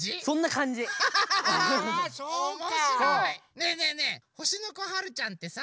ねえねえねえほしのこはるちゃんってさ